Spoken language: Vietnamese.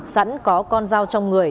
sẵn có con dao trong người